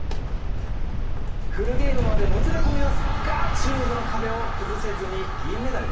フルゲームまでもつれ込みますが中国の壁を崩せずに銀メダル。